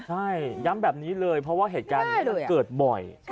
ใช่ย้ำแบบนี้เลยเพราะว่าเหตุการณ์นี้มันเกิดบ่อย